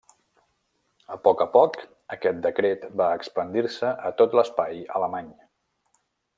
A poc a poc, aquest decret va expandir-se a tot l'espai alemany.